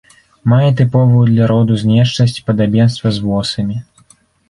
Мае тыповую для роду знешнасць, падабенства з восамі.